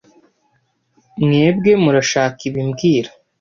Mwebwe murashaka ibi mbwira